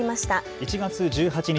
１月１８日